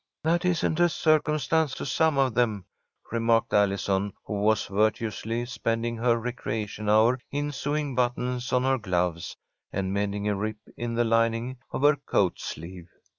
"That isn't a circumstance to some of them," remarked Allison, who was virtuously spending her recreation hour in sewing buttons on her gloves and mending a rip in the lining of her coat sleeve.